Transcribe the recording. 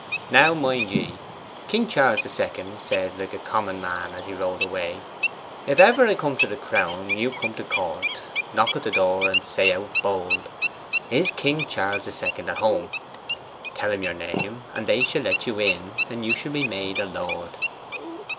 "Now mind ye," King Charles the Second said, like a common man, as he rode away, "if ever I come to the crown, you come to court, knock at the door, and say out bold, 'Is King Charles the Second at home?' Tell your name, and they shall let you in, and you shall be made a lord."